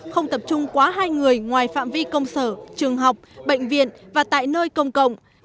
không tập trung quá hai người ngoài phạm vi công sở trường học bệnh viện và tại nơi công cộng